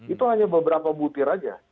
itu hanya beberapa butir saja